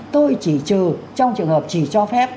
tôi chỉ trừ trong trường hợp chỉ cho phép